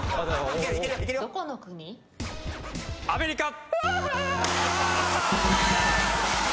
アメリカ！